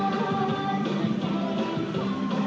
ตรงตรงตรง